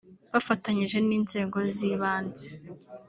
Bafatanyije n’inzego z’ibanze